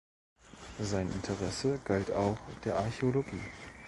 Sein Interesse galt auch der Archäologie.